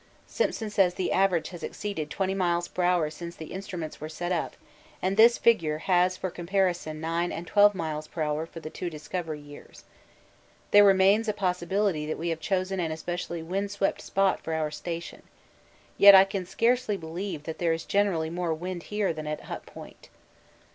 Simpson says the average has exceeded 20 m.p.h. since the instruments were set up, and this figure has for comparison 9 and 12 m.p.h. for the two Discovery years. There remains a possibility that we have chosen an especially wind swept spot for our station. Yet I can scarcely believe that there is generally more wind here than at Hut Point.